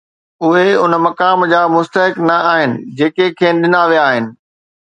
اهي ان مقام جا مستحق نه آهن، جيڪي کين ڏنا ويا آهن